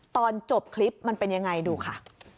ตอนจบคลิปมันเป็นยังไงดูค่ะ